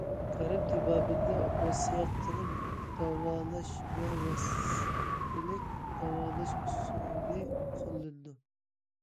غەرب تېبابىتىدە ئوپېراتسىيە قىلىپ داۋالاش ۋە ۋاسىتىلىك داۋالاش ئۇسۇلى قوللىنىلىدۇ.